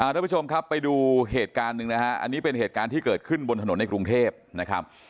ทุกผู้ชมครับไปดูเหตุการณ์หนึ่งนะฮะอันนี้เป็นเหตุการณ์ที่เกิดขึ้นบนถนนในกรุงเทพนะครับ